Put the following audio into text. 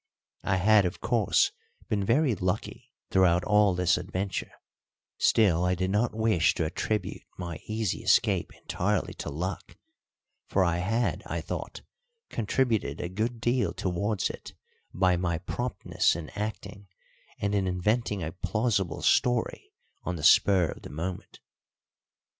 I had, of course, been very lucky throughout all this adventure; still, I did not wish to attribute my easy escape entirely to luck, for I had, I thought, contributed a good deal towards it by my promptness in acting and in inventing a plausible story on the spur of the moment.